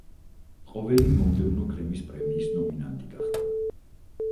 ყოველი მომდევნო გრემის პრემიის ნომინანტი გახდა.